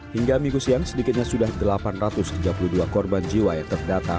hingga minggu siang sedikitnya sudah delapan ratus tiga puluh dua korban jiwa yang terdata